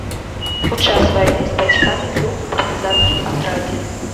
У час вайны з бацькамі быў у партызанскім атрадзе.